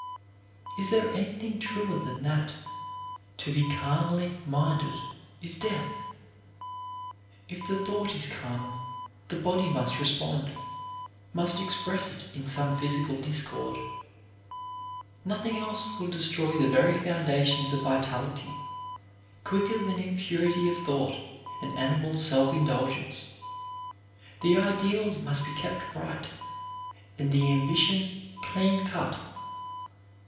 Is there anything truer than that "To be carnally minded is death?" If the thought is carnal, the body must correspond, must express it in some physical discord. Nothing else will destroy the very foundations of vitality quicker than impurity of thought and animal self indulgence. The ideals must be kept bright and the ambition clean cut.